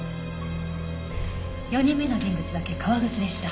４人目の人物だけ革靴でした。